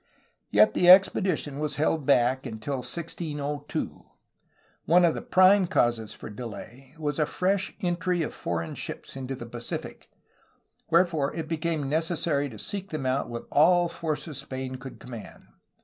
Yet the expedition was held back until 1602. One of the prime causes for the delay was a fresh entry of foreign ships 130 A HISTORY OF CALIFORNIA into the Pacific, wherefore it became necessary to seek them out with all the forces Spain could command.